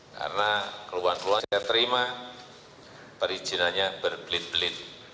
karena keluhan keluhan saya terima perizinannya berbelit belit